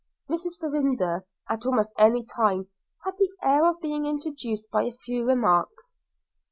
Mrs. Farrinder, at almost any time, had the air of being introduced by a few remarks.